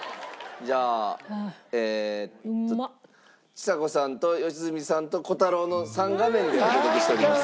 じゃあえーっとちさ子さんと良純さんと虎太郎の３画面でお届けしております。